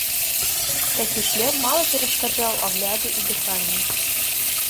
Такі шлем мала перашкаджаў агляду і дыханню.